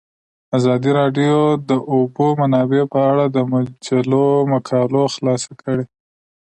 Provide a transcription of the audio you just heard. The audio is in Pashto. ازادي راډیو د د اوبو منابع په اړه د مجلو مقالو خلاصه کړې.